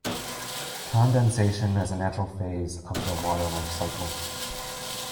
Condensation is a natural phase of the water life cycle.